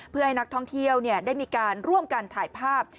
เพื่อให้นักท่องเที่ยวได้มีการร่วมกันถ่ายภาพ